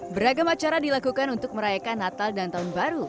beragam acara dilakukan untuk merayakan natal dan tahun baru